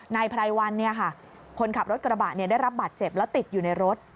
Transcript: นายไพรวันคนขับรถกระบะได้รับบาดเจ็บแล้วติดอยู่ในรถ